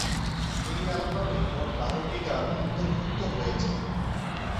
এই অ্যালবামে মোট বারোটি গান অন্তর্ভুক্ত হয়েছে।